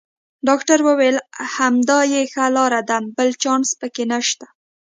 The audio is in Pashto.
ډاکټر وویل: همدا یې ښه لار ده، بل چانس پکې نشته.